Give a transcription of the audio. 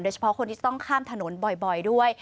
เฉพาะคนที่ต้องข้ามถนนบ่อยด้วย